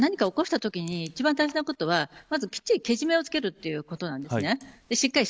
大事なことは、何か起こしときに一番大事なことはまず、きっちりけじめをつけるということです。